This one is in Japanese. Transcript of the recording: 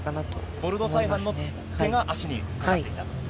ボルドサイハンの手が足にかかっていたと。